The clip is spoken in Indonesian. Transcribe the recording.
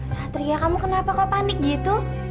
satria kamu kenapa kok panik gitu